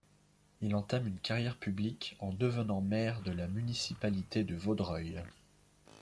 Il entame une carrière publique en devenant maire de la municipalité de Vaudreuil.